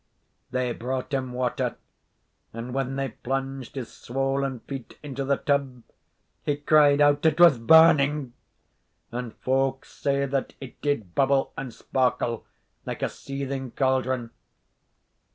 They brought him water, and when they plunged his swoln feet into the tub, he cried out it was burning; and folks say that it did bubble and sparkle like a seething cauldron.